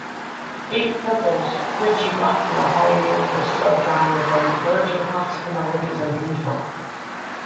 Deep Purple's Ritchie Blackmore pioneered the subgenre by merging classical melodies and blues rock.